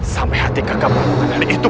lalu apa masalahmu dengan itu